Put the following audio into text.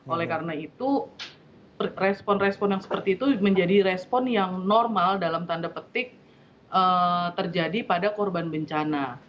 oleh karena itu respon respon yang seperti itu menjadi respon yang normal dalam tanda petik terjadi pada korban bencana